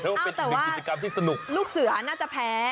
อ้าวแต่ว่าลูกเสือน่าจะแพ้